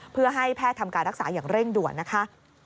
เพื่อให้แพทย์ทำการรักษาอย่างเร่งด่วนนะคะ